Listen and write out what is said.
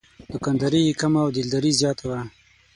دوکانداري یې کمه او دلداري زیاته وه.